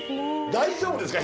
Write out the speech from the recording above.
大丈夫ですか？